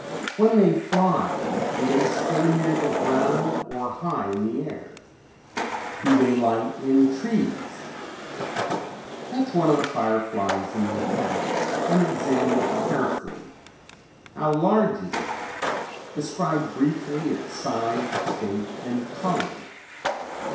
When they fly do they stay near the ground or high in the air? Do they light in trees? [Illustration: Firefly beetles on sour dock leaf.] Catch one of the fireflies in your hat and examine it carefully. How large is it? Describe briefly its size, shape and color.